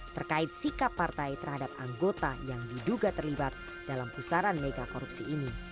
terkait sikap partai terhadap anggota yang diduga terlibat dalam pusaran mega korupsi ini